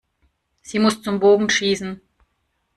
Sie muss zum Bogenschießen.